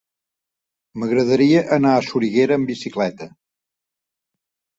M'agradaria anar a Soriguera amb bicicleta.